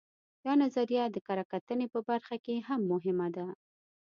دا نظریه د کره کتنې په برخه کې هم مهمه ده